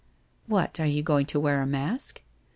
* What, are you going to wear a mask